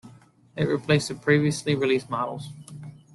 It replaced the previously released models.